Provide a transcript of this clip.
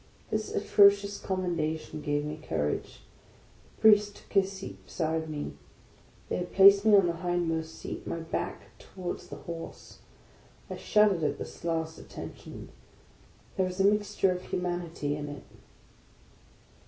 This atrocious commendation gave me courage. The Priest took his seat beside me. They had placed me on the hindmost seat, my back towards the horse. I shuddered at this last at tention. There is a mixture of humanity in it.